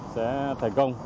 sẽ thành công